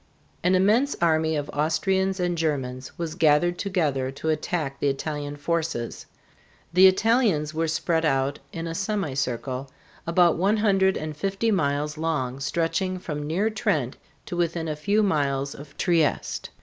An immense army of Austrians and Germans was gathered together to attack the Italian forces. The Italians were spread out in a semicircle about one hundred and fifty miles long stretching from near Trent to within a few miles of Trieste.